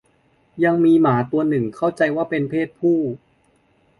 "ยังมีหมาหนึ่งตัว เข้าใจว่าเป็นเพศผู้"